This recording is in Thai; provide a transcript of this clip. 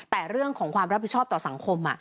แต่เรื่องของความรับผิดชอบต่อสังคม